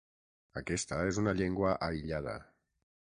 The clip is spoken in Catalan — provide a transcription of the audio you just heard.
Aquesta és una llengua aïllada.